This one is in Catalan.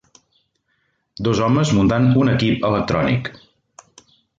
Dos homes muntant un equip electrònic